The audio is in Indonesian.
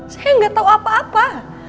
saya gak tau apa apa